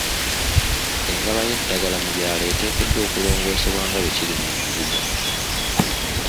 Engaba y'eddagala mu byalo eteekeddwa okulongoosebwa nga bwe kiri mu bibuga.